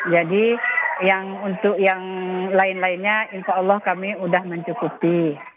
jadi untuk yang lain lainnya insya allah kami sudah mencukupi